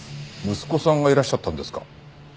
息子さんがいらっしゃったんですか？